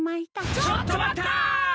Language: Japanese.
ちょっと待った！